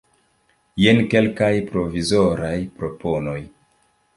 Jen kelkaj provizoraj proponoj.